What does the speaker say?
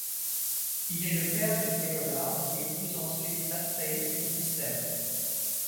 Il est le père de Cléola, qui épouse en suite Atrée ou Plisthène.